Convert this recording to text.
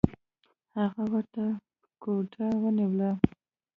هغه ورته ګوته ونیوله